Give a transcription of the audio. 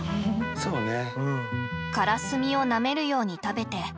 そうね。